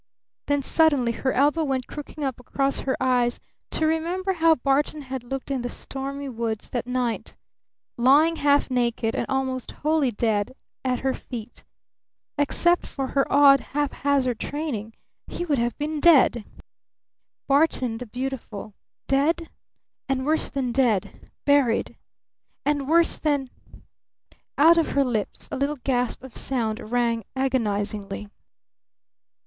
Then suddenly her elbow went crooking up across her eyes to remember how Barton had looked in the stormy woods that night lying half naked and almost wholly dead at her feet. Except for her odd, haphazard training, he would have been dead! Barton, the beautiful dead? And worse than dead buried? And worse than Out of her lips a little gasp of sound rang agonizingly.